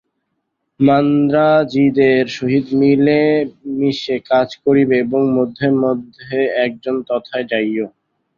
মান্দ্রাজীদের সহিত মিলে মিশে কাজ করিবে এবং মধ্যে মধ্যে একজন তথায় যাইও।